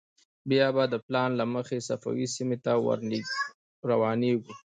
بیا به د پلان له مخې صفوي سیمې ته روانېږو.